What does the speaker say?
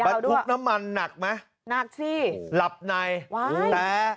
บรรทุกน้ำมันหนักไหมหนักสิหลับในว้าวแต่